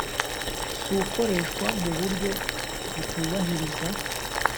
c ukoreshwa mu buryo butubahiriza